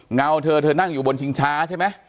เงาเธอเธอนั่งอยู่บนชิงช้าใช่ไหม